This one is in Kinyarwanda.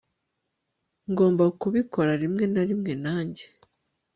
Ngomba kubikora rimwe na rimwe nanjye